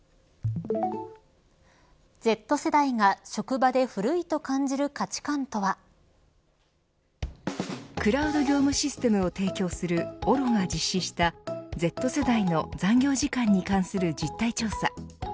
Ｚ世代が職場で古いと感じる価値観とはクラウド業務システムを提供するオロが実施したＺ世代の残業時間に関する実態調査。